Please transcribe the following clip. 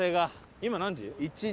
今何時？